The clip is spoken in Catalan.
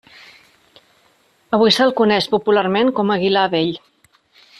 Avui se'l coneix popularment com Aguilar vell.